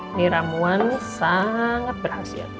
ini ramuan sangat berhasil